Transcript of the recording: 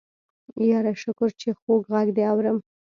يره شکر چې خوږ غږ دې اورم.